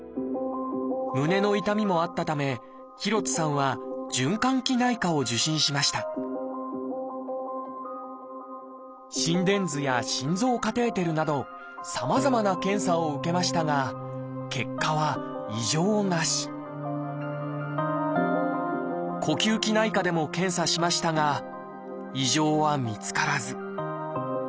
胸の痛みもあったため廣津さんは循環器内科を受診しました心電図や心臓カテーテルなどさまざまな検査を受けましたが結果は呼吸器内科でも検査しましたが異常は見つからず。